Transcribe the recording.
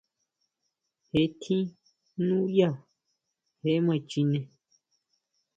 Jee tjín núyá, je ma chine.